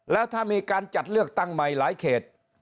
แล้วถ้ามีการจัดเลือกตั้งใหม่หลายเขต